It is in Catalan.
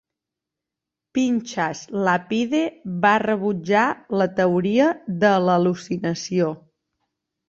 Pinchas Lapide va rebutjar la teoria de l'al·lucinació.